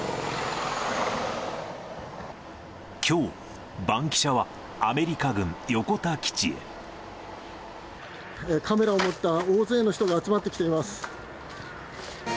きょう、バンキシャはアメリカメラを持った大勢の人が集まってきています。